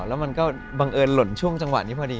แล้วมันก็บังเอิญหล่นช่วงจังหวะนี้พอดี